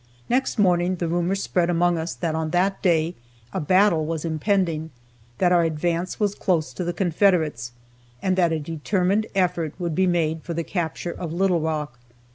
Next morning the rumor spread among us that on that day a battle was impending, that our advance was close to the Confederates, and that a determined effort would be made for the capture of Little Rock.